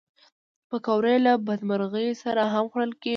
پکورې له بدمرغیو سره هم خوړل کېږي